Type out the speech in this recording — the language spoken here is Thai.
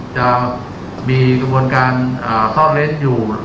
จะมีกระบวนการซ่อนเล้นอยู่